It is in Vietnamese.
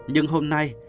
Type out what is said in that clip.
nhưng hôm nay